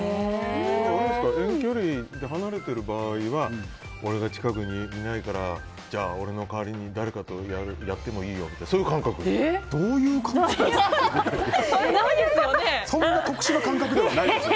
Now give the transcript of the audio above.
遠距離の場合は俺が近くにいないからじゃあ俺の代わりに誰かとやってもいいよ？というどういう感覚ですか。